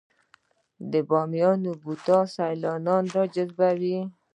د بامیان بودا سیلانیان راجذبوي؟